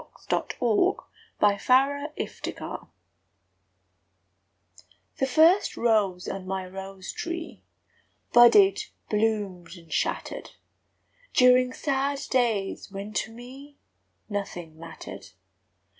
_ Three Songs of Shattering I The first rose on my rose tree Budded, bloomed, and shattered, During sad days when to me Nothing mattered.